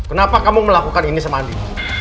kenapa kamu melakukan ini sama andi